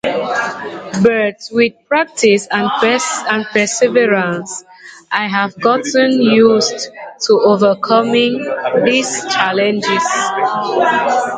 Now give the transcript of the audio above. But with practice and perseverance, I have gotten used to overcoming these challenges.